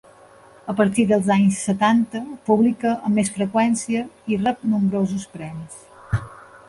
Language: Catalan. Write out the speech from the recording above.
A partir dels anys setanta, publica amb més freqüència i rep nombrosos premis.